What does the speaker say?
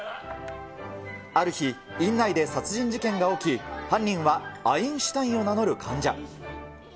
ある日、院内で殺人事件が起き、犯人はアインシュタインを名乗る患者。